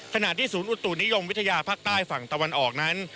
ขณะที่ศูนย์อุตุนิยมวิทยาภาคใต้ฝั่งตะวันออกนั้น